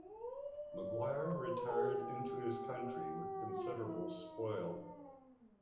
Maguire retired into his country with considerable spoil.